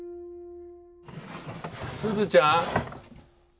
すずちゃん。